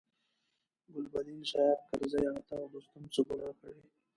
ګلبدین، سیاف، کرزي، عطا او دوستم څه ګناه کړې.